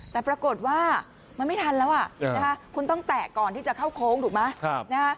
แต่ปรากฏว่ามันไม่ทันแล้วคุณต้องแตะก่อนที่จะเข้าโค้งถูกไหม